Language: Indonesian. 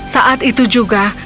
saat itu juga